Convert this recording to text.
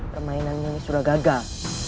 permainan ini sudah gagal